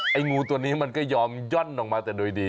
งูตัวนี้มันก็ยอมย่อนออกมาแต่โดยดี